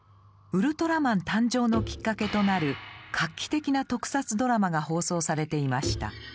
ウルトラマン誕生のきっかけとなる画期的な特撮ドラマが放送されていました。